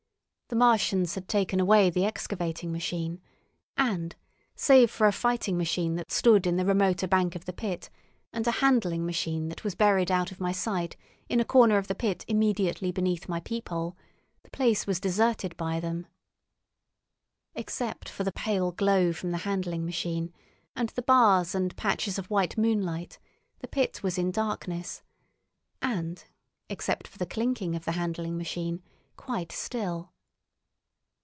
The Martians had taken away the excavating machine, and, save for a fighting machine that stood in the remoter bank of the pit and a handling machine that was buried out of my sight in a corner of the pit immediately beneath my peephole, the place was deserted by them. Except for the pale glow from the handling machine and the bars and patches of white moonlight the pit was in darkness, and, except for the clinking of the handling machine, quite still.